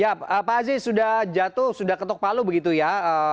ya pak aziz sudah jatuh sudah ketuk palu begitu ya